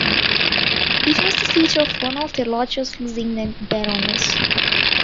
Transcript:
It was the seat of one of the largest Lusignan baronies.